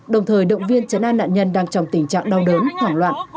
đồng thời động viên chấn an nạn nhân đang trong tình trạng đau đớn hoảng loạn